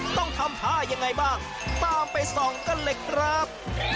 ต้องทำท่ายังไงบ้างตามไปส่องกันเลยครับ